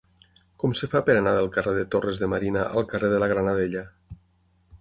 Com es fa per anar del carrer de Torres de Marina al carrer de la Granadella?